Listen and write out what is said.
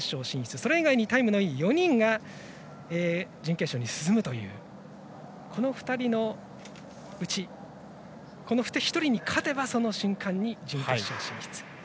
それ以外にタイムのいい４人が準決勝に進むというこの２人のうちこの１人に勝てばその瞬間に準決勝進出。